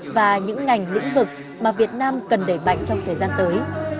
và những ngành lĩnh vực mà việt nam cần đẩy mạnh trong thời gian tới